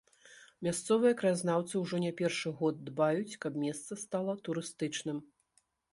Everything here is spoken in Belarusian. Мясцовыя краязнаўцы ўжо не першы год дбаюць, каб месца стала турыстычным.